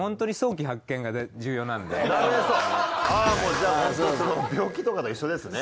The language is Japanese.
じゃあ病気とかと一緒ですね。